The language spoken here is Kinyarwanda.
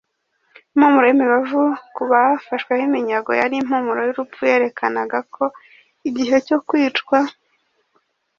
impumuro y’imibavu ku bafashweho iminyago yari impumuro y’urupfu yerekanaga ko igihe cyo kwicwa